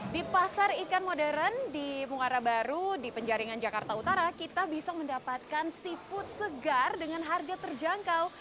di pasar ikan modern di muara baru di penjaringan jakarta utara kita bisa mendapatkan seafood segar dengan harga terjangkau